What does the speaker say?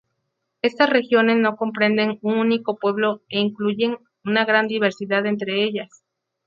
Estas regiones no comprenden un único pueblo e incluyen una gran diversidad entre ellas.